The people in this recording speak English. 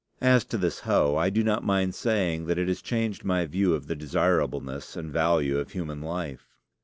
As to this hoe, I do not mind saying that it has changed my view of the desirableness and value of human life.